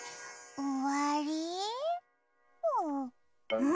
うん？